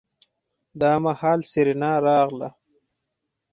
دا مهال سېرېنا راغله.